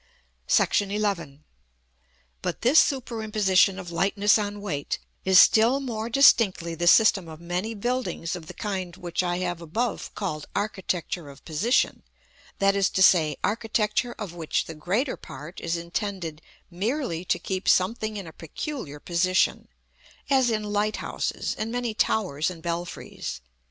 § XI. But this superimposition of lightness on weight is still more distinctly the system of many buildings of the kind which I have above called Architecture of Position, that is to say, architecture of which the greater part is intended merely to keep something in a peculiar position; as in light houses, and many towers and belfries.